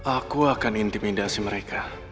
aku akan intimidasi mereka